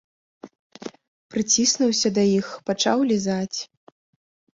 Прыціснуўся да іх, пачаў лізаць.